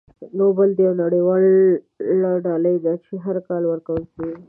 نوبل یوه نړیواله ډالۍ ده چې هر کال ورکول کیږي.